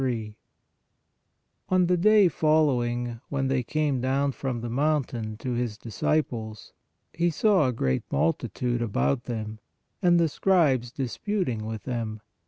37 43 " On the day following when they came down from the mountain to His disciples, He saw a great multitude about them, and the scribes disputing with them.